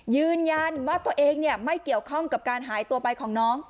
ยืนยันว่าตัวเองไม่เกี่ยวข้องกับการหายตัวไปของน้อง